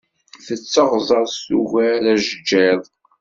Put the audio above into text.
Tetteɣzaẓ tugar ajeǧǧiḍ.